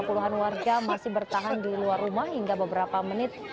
puluhan warga masih bertahan di luar rumah hingga beberapa menit